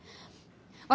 私